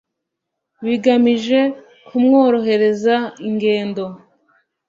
bigamije kumworohereza ingendo